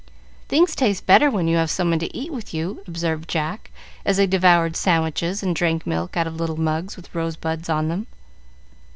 "Things taste better when you have someone to eat with you," observed Jack, as they devoured sandwiches, and drank milk out of little mugs with rosebuds on them.